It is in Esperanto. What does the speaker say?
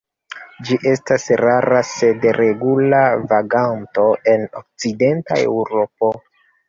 Ĝi estas rara sed regula vaganto en okcidenta Eŭropo.